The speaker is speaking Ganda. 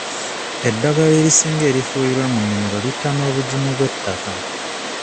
Eddagala erisinga erifuuyirwa mu nnimiro litta n'obugimu bw'ettaka.